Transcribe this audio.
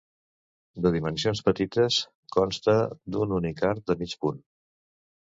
De dimensions petites, consta d'un únic arc de mig punt.